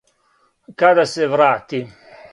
Када се врати?